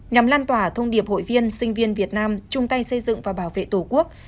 nhằm lan tỏa thông điệp hội viên sinh viên việt nam chung tay xây dựng và bảo vệ tổ quốc